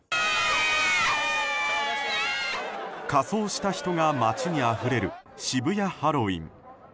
仮装した人が街にあふれる渋谷ハロウィーン。